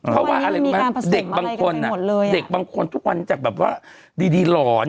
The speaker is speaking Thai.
เพราะว่าเด็กบางคนน่ะเด็กบางคนทุกวันจากแบบว่าดีหลอน